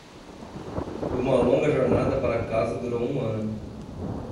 Uma longa jornada para casa durou um ano.